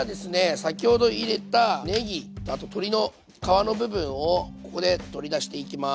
先ほど入れたねぎあと鶏の皮の部分をここで取り出していきます。